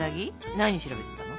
何調べてたの？